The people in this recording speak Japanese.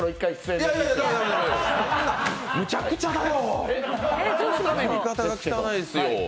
やり方が汚いですよ。